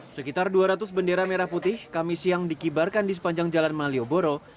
sekitar dua ratus bendera merah putih kami siang dikibarkan di sepanjang jalan malioboro